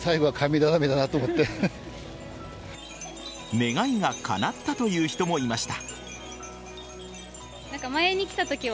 願いがかなったという人もいました。